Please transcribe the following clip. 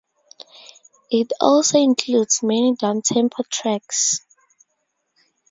It also includes many downtempo tracks.